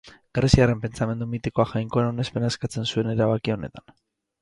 Greziarren pentsamendu mitikoak jainkoen onespena eskatzen zuen erabaki honetan.